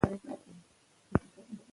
موږ باید د خپلو اتلانو درناوی وکړو.